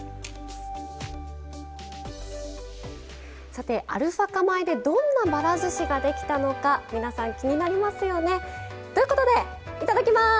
さてアルファ化米でどんなばらずしができたのか皆さん気になりますよね。ということでいただきます！